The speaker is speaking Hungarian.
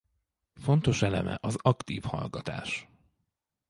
Fontos eleme az aktív hallgatás.